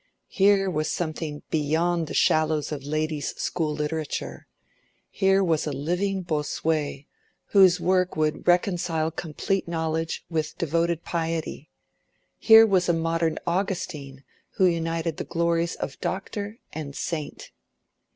Here was something beyond the shallows of ladies' school literature: here was a living Bossuet, whose work would reconcile complete knowledge with devoted piety; here was a modern Augustine who united the glories of doctor and saint.